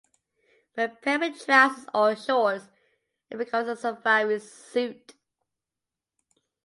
When paired with trousers or shorts, it becomes a safari suit.